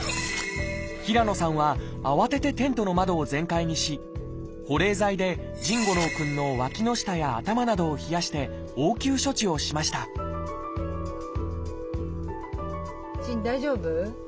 平野さんは慌ててテントの窓を全開にし保冷剤で臣伍朗くんのわきの下や頭などを冷やして応急処置をしましたじん大丈夫？